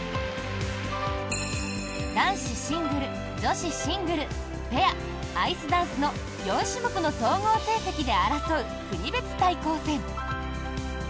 男子シングル、女子シングルペア、アイスダンスの４種目の総合成績で争う国別対抗戦。